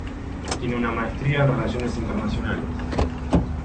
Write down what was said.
Tiene una maestría en relaciones internacionales.